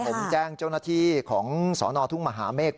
ผมแจ้งเจ้าหน้าที่ของสนทุ่งมหาเมฆ